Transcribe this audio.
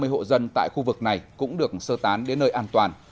ba mươi hộ dân tại khu vực này cũng được sơ tán đến nơi an toàn